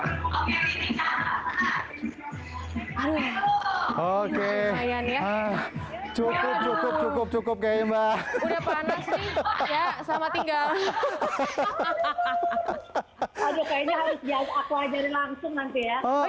aduh cukup kayaknya harus aku ajarin langsung nanti ya